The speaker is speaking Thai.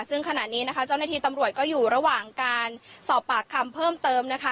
ซึ่งขณะนี้นะคะเจ้าหน้าที่ตำรวจก็อยู่ระหว่างการสอบปากคำเพิ่มเติมนะคะ